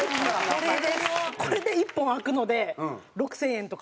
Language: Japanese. これで１本開くので６０００円とか入るんですよ。